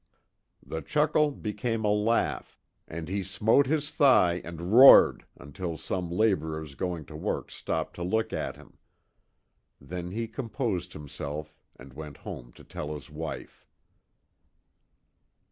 The chuckle became a laugh, and he smote his thigh and roared, until some laborers going to work stopped to look at him. Then he composed himself and went home to tell his wife.